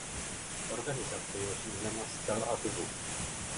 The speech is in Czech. Organizace je řízena z Tel Avivu.